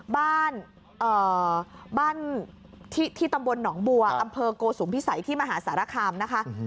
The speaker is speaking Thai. บ้านบ้านที่ตำบลหนองบัวอำเภอโกสุมพิสัยที่มหาสารคามนะคะ